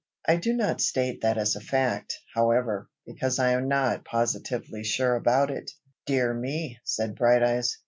I do not state that as a fact, however, because I am not positively sure about it." "Dear me!" said Brighteyes.